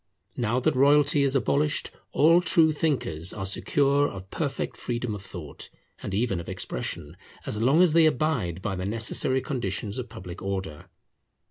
Now that royalty is abolished, all true thinkers are secure of perfect freedom of thought, and even of expression, as long as they abide by the necessary conditions of public order.